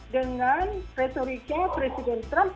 dengan retorika presiden trump